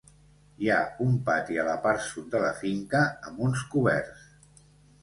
Hi ha un pati a la part sud de la finca amb uns coberts.